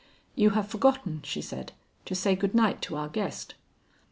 "You have forgotten," she said, "to say good night to our guest."